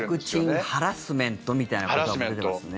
ワクチンハラスメントみたいなことも出てますね。